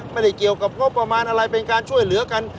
ไม่ได้เกี่ยวกับงบประมาณอะไรเป็นการช่วยเหลือกัน